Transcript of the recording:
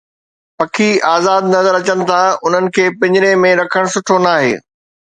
پکي آزاد نظر اچن ٿا، انهن کي پنجري ۾ رکڻ سٺو ناهي